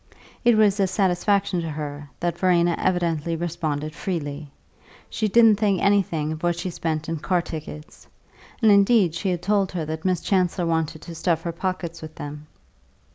It was a satisfaction to her that Verena evidently responded freely; she didn't think anything of what she spent in car tickets, and indeed she had told her that Miss Chancellor wanted to stuff her pockets with them.